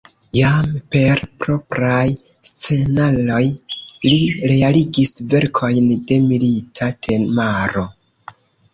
Jam per propraj scenaroj li realigis verkojn de milita temaro.